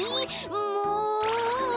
もう！